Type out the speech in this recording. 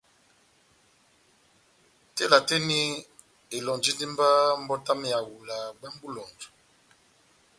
Tela tɛ́h eni elɔ́njindi mba mbɔti yami ya ehawula bwámu bó eloŋjɔ.